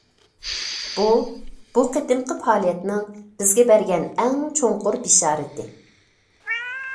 بۇ، بۇ قېتىمقى پائالىيەتنىڭ بىزگە بەرگەن ئەڭ چوڭقۇر بېشارىتى.